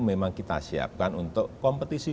memang kita siapkan untuk kompetisi